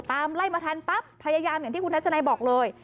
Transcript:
ไล่มาทันปั๊บพยายามอย่างที่คุณทัศนัยบอกเลย